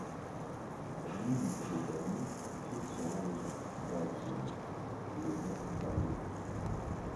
L'île de Banie tire son nom de son principal sommet, le mont Banie.